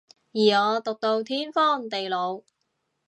而我毒到天荒地老